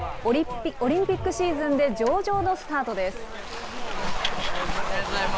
オリンピックシーズンで上々のスタートです。